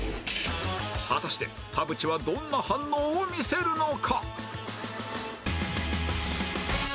果たして田渕はどんな反応を見せるのか？